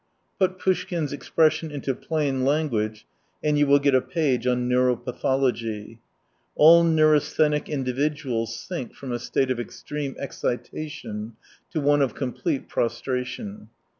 Put Poushkin's expression into plain language, and you will get a page on neuropathology. All neurasthenic indi viduals sink from a state of extreme excita tion to one of complete prostration.